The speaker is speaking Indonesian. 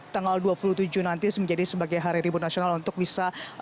tanggal dua puluh tujuh nanti menjadi sebagai hari ribut nasional untuk bisa